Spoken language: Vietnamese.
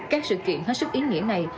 các sự kiện hết sức ý nghĩa này